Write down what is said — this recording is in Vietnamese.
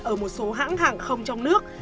ở một số hãng hàng không trong nước